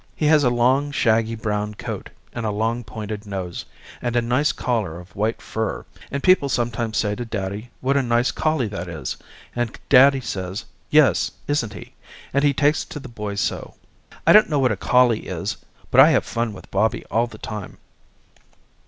He has a long shaggy brown coat and a long pointed nose, and a nice collar of white fur and people sometimes say to daddy what a nice collie that is and daddy says yes isn't he and he takes to the boy so. I don't know what a collie is but I have fun with Bobby all the time.